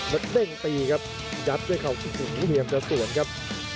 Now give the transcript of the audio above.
แล้วเด้งตีครับยัดด้วยเขาขึ้นสูงเพียงจะส่วนครับ